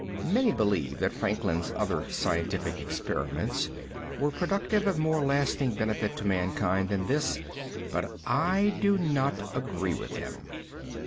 ] Many believe that Franklin's other scientific experiments were productive of more lasting benefit to mankind than this, but I do not agree with them.